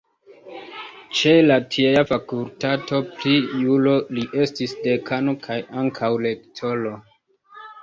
Ĉe la tiea fakultato pri juro li estis dekano kaj ankaŭ rektoro.